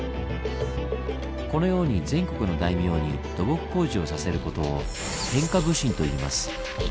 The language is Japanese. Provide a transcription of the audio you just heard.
このように全国の大名に土木工事をさせることを「天下普請」といいます。